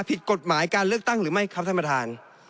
ผิดกฎหมายการเลือกตั้งหรือไม่ครับท่านประธาน